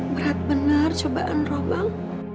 berat bener cobaan roh bang